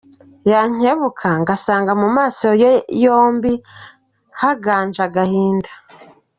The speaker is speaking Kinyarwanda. Yankebuka ngasanga Mu maso ye yombi Haganje agahinda.